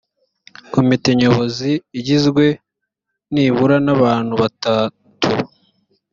komite nyobozi igizwe nibura n’abantu batatu